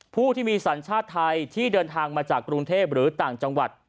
ผู้ที่มีสัญชาติไทยที่เดินทางมาจากกรุงเทพหรือต่างจังหวัด